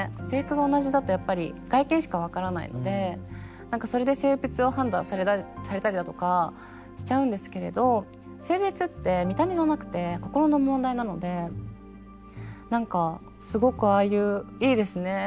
制服が同じだとやっぱり外見しか分からないので何かそれで性別を判断されたりだとかしちゃうんですけれど性別って見た目じゃなくて心の問題なので何かすごくああいういいですね。